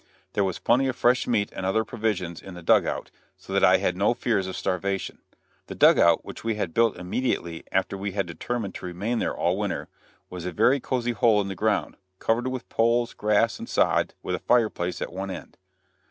There was plenty of fresh meat and other provisions in the "dug out," so that I had no fears of starvation. The "dugout," which we had built immediately after we had determined to remain there all winter, was a very cosy hole in the ground, covered with poles, grass and sod, with a fireplace in one end.